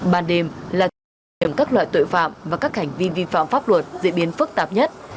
ban đêm là trường hợp các loại tội phạm và các hành vi vi phạm pháp luật diễn biến phức tạp nhất